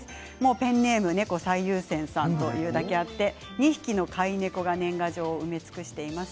ペンネームが、ネコ最優先さんというだけあって２匹の飼い猫が年賀状を埋め尽くしています。